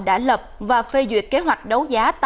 đã lập và phê duyệt kế hoạch đấu giá